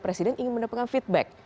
presiden ingin mendapatkan feedback